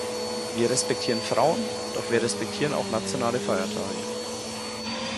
Wir respektieren die Frauen, doch wir respektieren auch nationale Feiertage.